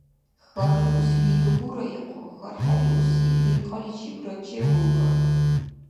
Хьарбиусини дубура ихъу, хьархӀебиуси диркьаличивра чевулкӀан.